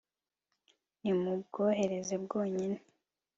ntimubwohereze bwonyine